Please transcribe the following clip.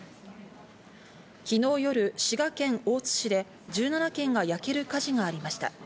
昨日夜、滋賀県大津市で１７軒が焼ける火事がありました。